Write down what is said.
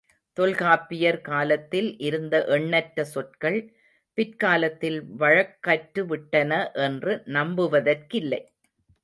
தொல்காப்பியர் காலத்தில் இருந்த எண்ணற்ற சொற்கள் பிற்காலத்தில் வழக்கற்றுவிட்டன என்று நம்புவதற்கில்லை.